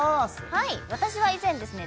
はい私は以前ですね